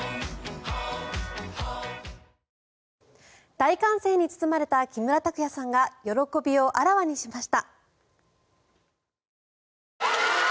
大歓声に包まれた木村拓哉さんが喜びをあらわにしました。